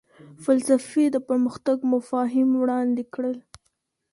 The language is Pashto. فلسفې د پرمختګ مفاهیم وړاندې کړل.